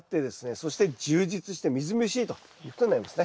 そして充実してみずみずしいということになりますね。